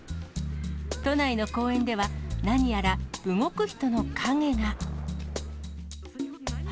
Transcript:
都内の公園では、何やら動く人の影が。